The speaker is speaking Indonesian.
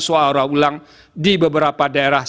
suara ulang di beberapa daerah